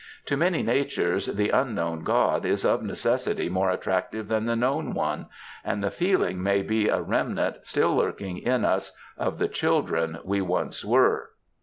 To many natures the ^'Unknown God^ is of necessity more attractive than the Known One, and the feeling may be a remnant still lurking in us of the children we once were.